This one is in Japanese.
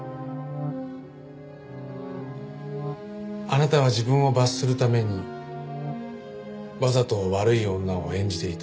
あなたは自分を罰するためにわざと悪い女を演じていた。